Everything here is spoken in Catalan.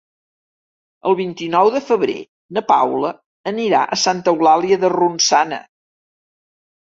El vint-i-nou de febrer na Paula anirà a Santa Eulàlia de Ronçana.